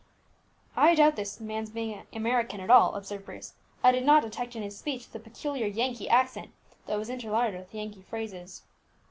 "I doubt this man's being American at all," observed Bruce. "I did not detect in his speech the peculiar Yankee accent, though it was interlarded with Yankee phrases."